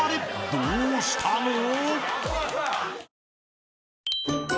どうしたの？］